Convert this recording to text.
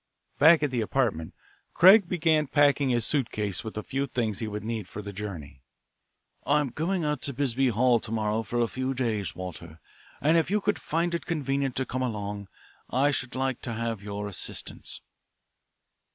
Back at the apartment, Craig began packing his suitcase with the few things he would need for a journey. "I'm going out to Bisbee Hall to morrow for a few days, Walter, and if you could find it convenient to come along I should like to have your assistance."